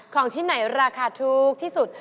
ของชิ้นไหนราคาถูกที่สุด